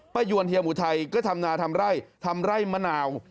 ยวนเฮียหมูไทยก็ทำนาทำไร่ทำไร่มะนาว